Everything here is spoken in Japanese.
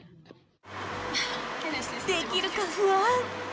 できるか不安。